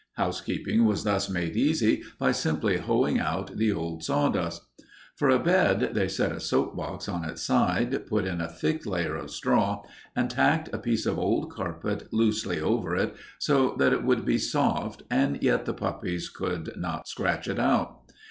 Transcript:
Housekeeping was thus made easy by simply hoeing out the old sawdust. For a bed they set a soap box on its side, put in a thick layer of straw, and tacked a piece of old carpet loosely over it so that it would be soft and yet the puppies could not scratch it out.